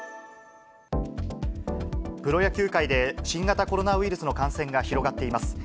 プロ野球界で新型コロナウイルスの感染が広がっています。